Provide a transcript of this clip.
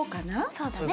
そうだね。